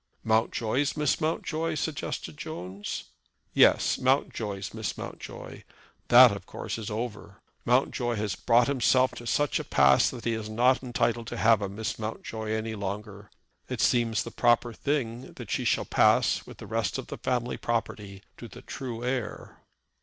"Mountjoy's Miss Mountjoy?" suggested Jones. "Yes, Mountjoy's Miss Mountjoy. That, of course, is over. Mountjoy has brought himself to such a pass that he is not entitled to have a Miss Mountjoy any longer. It seems the proper thing that she shall pass, with the rest of the family property, to the true heir."